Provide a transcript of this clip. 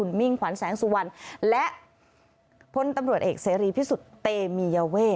เปิดต่อเรื่องไว้เลย๑๘นาที